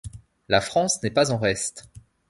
La France n'est pas en reste.